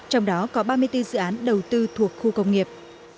trong đó có ba mươi bốn dự án đầu tư thuộc khu công nghiệp